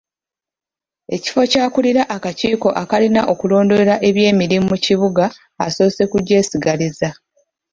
Ekifo ky’akulira akakiiko akalina okulondoola eby’emirimu mu kibuga asoose kugyesigaliza.